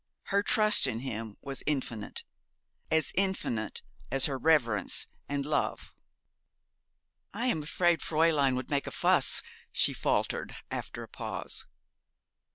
Her trust in him was infinite as infinite as her reverence and love. 'I am afraid Fräulein would make a fuss,' she faltered, after a pause.